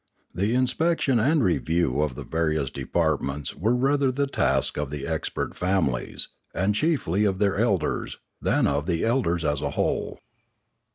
The inspection and review of the various departments were rather the task of the expert families, and chiefly of their elders, than of the elders as a whole.